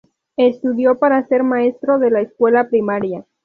Estudió para ser maestro de escuela primaria.